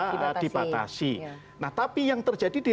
nah tapi yang terjadi di rewong wong itu adalah